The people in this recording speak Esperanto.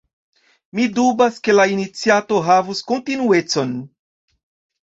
Mi dubas ke la iniciato havus kontinuecon.